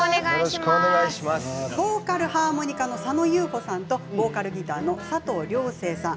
ボーカルハーモニカの佐野遊穂さんとボーカルギターの佐藤良成さん。